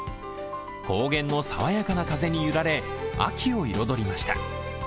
高原の爽やかな風に揺られ、秋を彩りました。